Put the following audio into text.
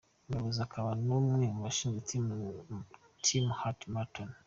Umuyobozi akaba n’umwe mu bashinze Team Heart, Morton R.